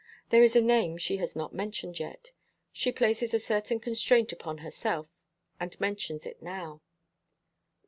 There is a name she has not mentioned yet. She places a certain constraint upon herself, and mentions it now.